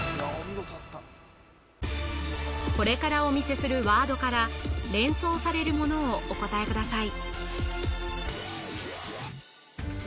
これからお見せするワードから連想されるものをお答えください